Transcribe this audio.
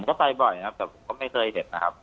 ผมก็ไปบ่อยครับแต่ว่ามันไม่เคยเห็นครับ